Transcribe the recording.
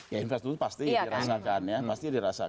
ya infrastruktur pasti dirasakan ya pasti dirasakan